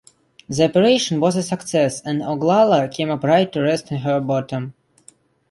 The operation was a success and "Oglala" came upright to rest on her bottom.